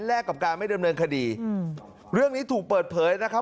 แลกกับการไม่เริ่มเริ่มคดีเรื่องนี้ถูกเปิดเผยนะครับ